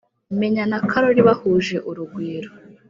Meya na karori bahuje urugwiro